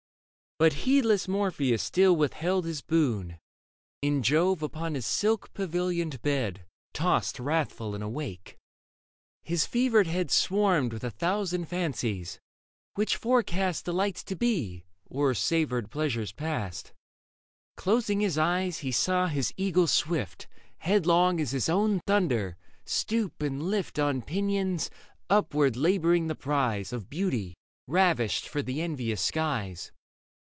But heedless Morpheus still withheld his boon, And Jove upon his silk pavilioned bed Tossed wrathful and awake. His fevered head Leda Swarmed with a thousand fancies, which forecast Delights to be, or savoured pleasures past. Closing his eyes, he saw his eagle swift. Headlong as his own thunder, stoop and lift On pinions upward labouring the prize Of beauty ravished for the envious skies.